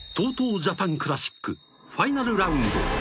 ジャパンクラシックファイナルラウンド。